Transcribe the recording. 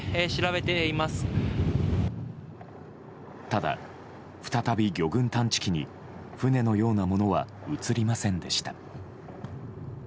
ただ、再び魚群探知機に船のようなものは映りませんでした。